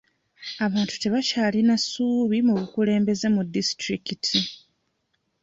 Abantu tebakyalina ssuubi mu bukulembeze ku disitulikiti.